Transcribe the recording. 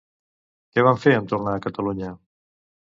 Què va fer en tornar a Catalunya?